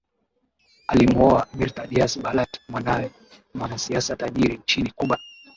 alimuoa Mirta DiazBalart mwanae mwanasiasa tajiri nchini Cuba